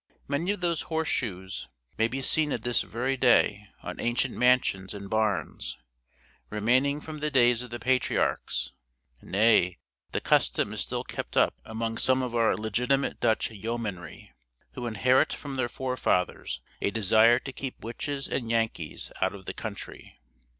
Many of those horse shoes may be seen at this very day on ancient mansions and barns, remaining from the days of the patriarchs; nay, the custom is still kept up among some of our legitimate Dutch yeomanry, who inherit from their forefathers a desire to keep witches and Yankees out of the country.